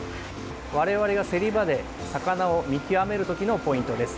我々が競り場で魚を見極める時のポイントです。